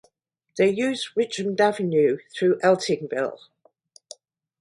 They use Richmond Avenue through Eltingville.